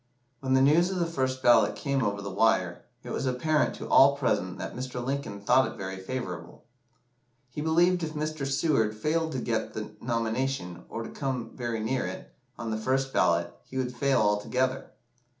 When the news of the first ballot came over the wire, it was apparent to all present that Mr. Lincoln thought it very favourable. He believed if Mr. Seward failed to get the nomination, or to come very near it, on the first ballot, he would fail altogether.